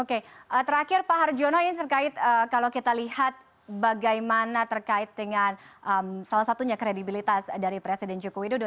oke terakhir pak harjono ini terkait kalau kita lihat bagaimana terkait dengan salah satunya kredibilitas dari presiden joko widodo